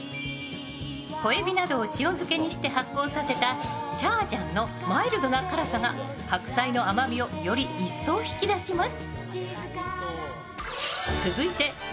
小えびなどを塩漬けにして発酵させたシャージャンのマイルドな辛さが白菜の甘みをより一層引き出します。